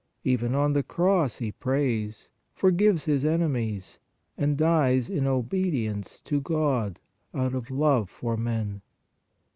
Even on the cross He prays, forgives His enemies and dies in obedi ence to God, out of love for men.